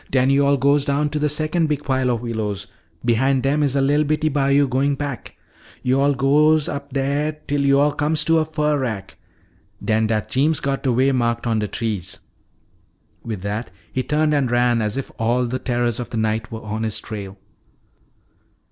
Den yo'all goes down to de secon' big pile o' willows. Behin' dem is a li'l bitty bayo' goin' back. Yo'all goes up dat 'til yo'all comes to a fur rack. Den dat Jeems got de way marked on de trees." With that he turned and ran as if all the terrors of the night were on his trail.